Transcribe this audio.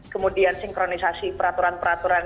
kemudian sinkronisasi peraturan peraturan